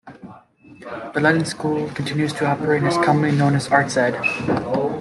The London school continues to operate, and is commonly known as ArtsEd.